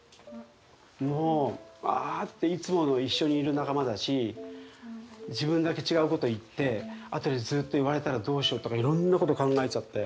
もう「ああ」っていつもの一緒にいる仲間だし自分だけ違うこと言ってあとでずっと言われたらどうしようとかいろんなこと考えちゃって。